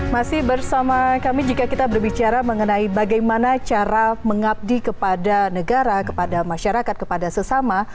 masih bersama kami jika kita berbicara mengenai bagaimana cara mengabdi kepada negara kepada masyarakat kepada sesama